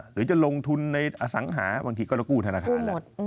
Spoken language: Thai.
หรือจะลงทุนในอสังหาบางทีก็กู้ธนาคาร